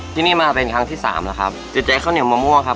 ที่นี่มาเป็นครั้งที่สามแล้วครับติดใจข้าวเหนียวมะม่วงครับ